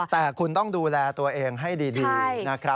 แต่คุณต้องดูแลตัวเองให้ดีนะครับ